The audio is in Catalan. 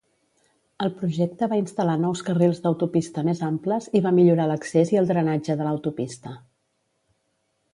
El projecte va instal·lar nous carrils d'autopista més amples i va millorar l'accés i el drenatge de l'autopista.